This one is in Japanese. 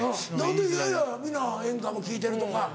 いやいや皆演歌も聴いてるとか。